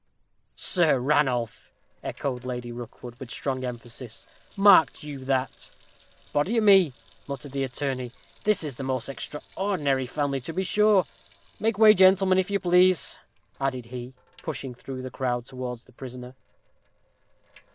"Sir Ranulph!" echoed Lady Rookwood, with strong emphasis; "marked you that?" "Body o' me," muttered the attorney, "this is the most extraordinary family, to be sure. Make way, gentlemen, if you please," added he, pushing through the crowd, towards the prisoner.